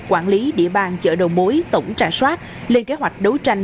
quản lý địa bàn chợ đầu mối tổng trả soát lên kế hoạch đấu tranh